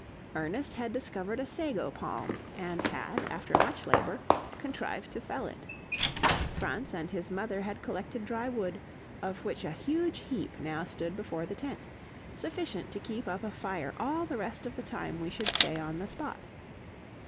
Ernest had discovered a sago palm, and had, after much labor, contrived to fell it. Franz and his mother had collected dry wood, of which a huge heap now stood before the tent, sufficient to keep up a fire all the rest of the time we should stay on the spot.